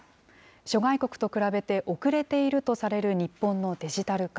諸外国と比べて遅れているとされる日本のデジタル化。